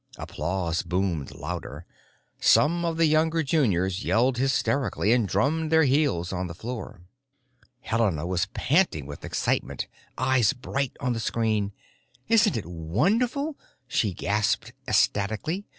Applause boomed louder; some of the younger juniors yelled hysterically and drummed their heels on the floor. Helena was panting with excitement, eyes bright on the screen. "Isn't it wonderful?" she gasped ecstatically.